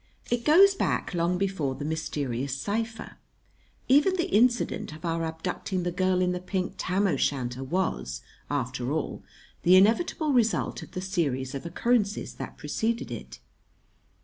It goes back long before the mysterious cipher. Even the incident of our abducting the girl in the pink tam o' shanter was, after all, the inevitable result of the series of occurrences that preceded it.